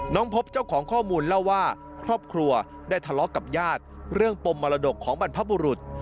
พบเจ้าของข้อมูลเล่าว่าครอบครัวได้ทะเลาะกับญาติเรื่องปมมรดกของบรรพบุรุษ